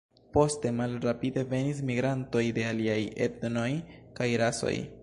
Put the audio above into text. Poste malrapide venis migrantoj de aliaj etnoj kaj rasoj.